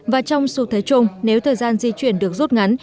và trong su thế chung nếu thời gian di chuyển được rút ngắn